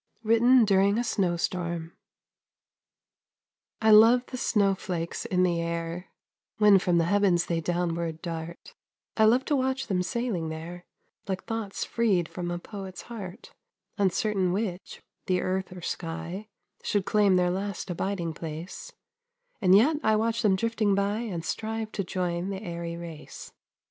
(WRITTEN DURING A SNOW STORM.) I love the snow flakes in the air, When from the heavens they downward dart; I love to watch them sailing there, Like thoughts freed from a poet's heart, Uncertain which, the earth or sky, Should claim their last abiding place; And yet I watch them drifting by, And strive to join the airy race.